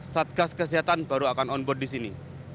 satgas kesehatan baru akan on board di sini